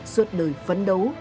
suốt đời phấn đấu